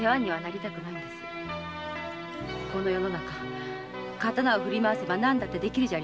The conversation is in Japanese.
この世の中刀を振り回せば何でもできるじゃありませんか。